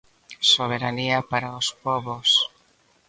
Soberanía para os pobos.